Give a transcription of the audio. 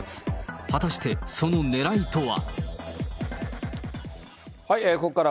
果たしてそのねらいとは。